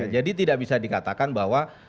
tidak bisa dikatakan bahwa